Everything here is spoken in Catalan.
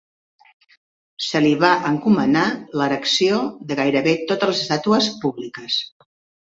Se li va encomanar l'erecció de gairebé totes les estàtues públiques.